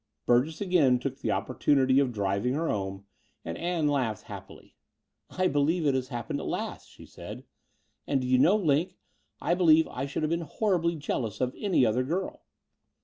Burgess again took the opportunity of driving her home; and Ann laughed happily. I believe it has happened at last," she said; and do you know, Line, I believe I should have been horribly jealous of any other girl